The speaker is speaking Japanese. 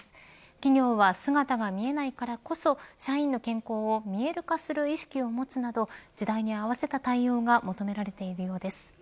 企業は姿が見えないからこそ社員の健康を見える化する意識を持つなど時代に合わせた対応が求められているようです。